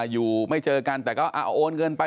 อยู่ไม่เจอกันแต่ก็โอนเงินไป